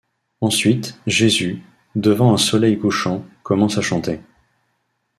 Ensuite, Jésus, devant un soleil couchant, commence à chanter.